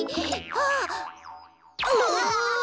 ああ。